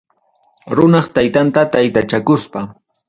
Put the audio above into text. Runap taytanta taytachakuspa.